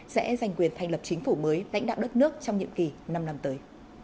sẽ giành quyền thành lập chính phủ mới lãnh đạo đất nước trong nhiệm kỳ năm năm tới